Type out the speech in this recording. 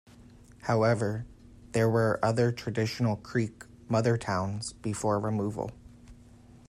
However, there were other traditional Creek "mother-towns" before removal.